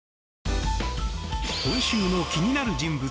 今週の気になる人物